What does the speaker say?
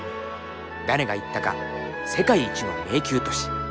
誰が言ったか「世界一の迷宮都市」。